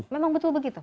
memang betul begitu